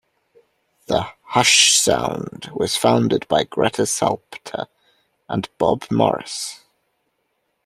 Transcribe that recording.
The Hush Sound was founded by Greta Salpeter and Bob Morris.